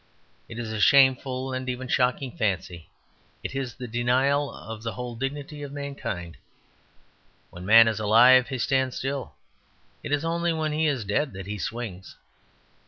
It is a shameful and even shocking fancy; it is the denial of the whole dignity of mankind. When Man is alive he stands still. It is only when he is dead that he swings.